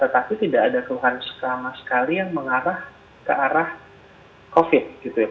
tapi tidak ada keluhan sama sekali yang mengarah ke arah covid gitu ya